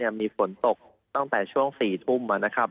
มีฝนตกตั้งแต่ช่วง๔ทุ่มนะครับ